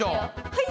はい！